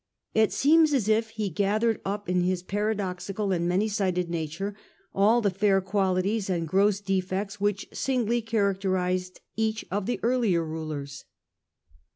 It seemed as if he gathered temper. Up in his paradoxical and manysided nature all the fair qualities and gross defects which singly characterised each of the earlier rulers.